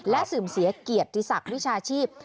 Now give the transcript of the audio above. เสื่อมเสียเกียรติศักดิ์วิชาชีพ